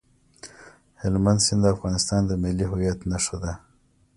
هلمند سیند د افغانستان د ملي هویت نښه ده.